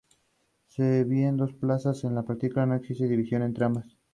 En la primera ronda de la final, los veinte finalistas interpretan sus temas.